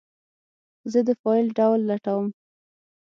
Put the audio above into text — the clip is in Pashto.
زه د فایل ډول لټوم.